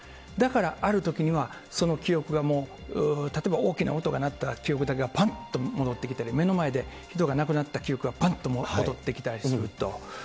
だから、あるときにはその記憶がもう、例えば大きな音が鳴った記憶だけがぱんっと戻ってきたり、目の前で人が亡くなった記憶がぱんと戻ってきたりすると。